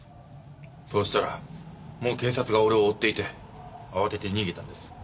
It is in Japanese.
そうしたらもう警察が俺を追っていて慌てて逃げたんです。